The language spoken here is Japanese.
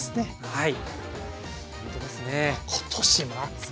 はい。